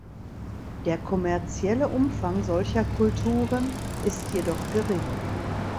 Der kommerzielle Umfang solcher Kulturen ist jedoch gering.